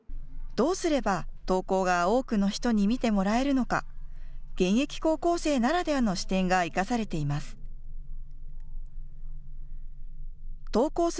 どうすれば投稿が多くの人に見てもらえるのか現役高校生ならではの視点が生かされています。